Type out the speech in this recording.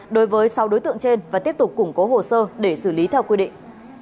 đối với sáu đối tượng trên và tiếp tục củng cố hồ sơ để xử lý theo quy định